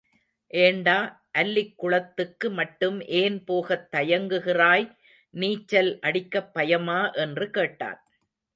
ஏண்டா அல்லிக் குளத்துக்கு மட்டும் ஏன் போகத் தயங்குகிறாய் நீச்சல் அடிக்கப் பயமா என்று கேட்டான்.